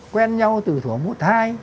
quen nhau từ thủ mốt hai